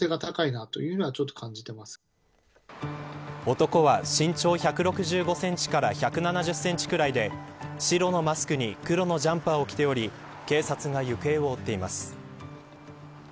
男は身長１６５センチから１７０センチくらいで白のマスクに黒のジャンパーを着ており警察が行方を追っています。